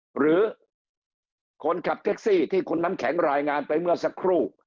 หรือคนขับแท็กซี่ที่คุณน้ำแข็งรายงานไปเมื่อสักครู่